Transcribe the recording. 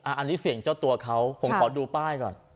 อันนี้เสียงเจ้าตัวเขาผมขอดูป้ายก่อน